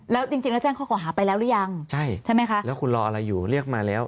แล้วจริงจริงแล้วแจ้งข้อขอหาไปแล้วหรือยังใช่ใช่ไหมคะแล้วคุณรออะไรอยู่เรียกมาแล้ว